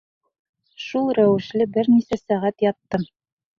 Шул рәүешле бер нисә сәғәт яттым.